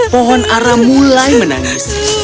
pohon ara mulai menangis